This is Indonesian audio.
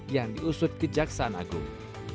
yang diusut ke jaksan agung